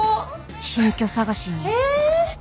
新居探しに